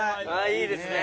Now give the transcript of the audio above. いいですね。